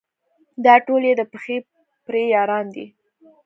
دا ټول یې د پخې پرې یاران دي.